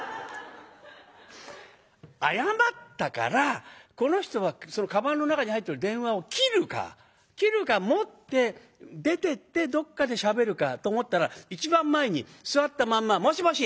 謝ったからこの人はかばんの中に入ってる電話を切るか切るか持って出てってどっかでしゃべるかと思ったら一番前に座ったまんま「もしもし？